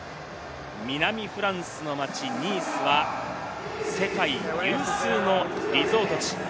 南フランスの町・ニースは世界有数のリゾート地。